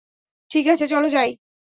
ঠিক আছে, চলো যাই।